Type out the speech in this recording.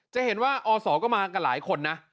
จะเห็นว่าอศก็มากับหลายคนนะ